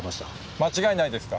間違いないですか？